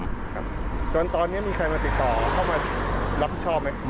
เพราะฉะนั้นตอนนี้มีใครมาติดต่อเข้ามารับผู้ชอบไหม